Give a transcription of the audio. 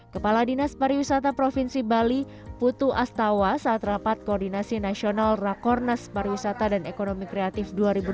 kepala dinas pariwisata provinsi bali putu astawa saat rapat koordinasi nasional rakornas pariwisata dan ekonomi kreatif dua ribu delapan belas